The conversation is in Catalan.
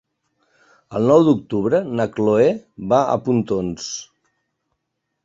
El nou d'octubre na Chloé va a Pontons.